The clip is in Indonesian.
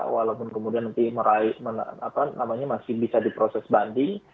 walaupun kemudian nanti meraih apa namanya masih bisa diproses banding